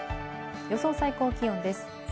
予想最高気温です。